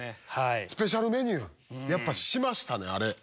スペシャルメニューやっぱしましたね。